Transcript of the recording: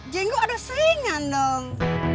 jenggo ada seringan dong